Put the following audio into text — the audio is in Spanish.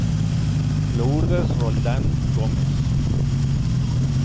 Lourdes Roldán Gómez.